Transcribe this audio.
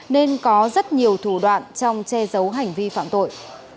nên có rất nhiều thủ đoạn trong che giấu hành vi phạm tội